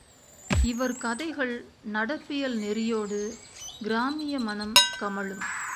இவர் கதைகள் நடப்பியல் நெறியோடு கிராமிய மனம் கமழும்.